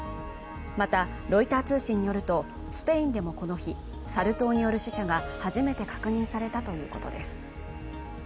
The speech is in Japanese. またロイター通信によるとスペインでもこの日サル痘による死者が初めて確認されたということです。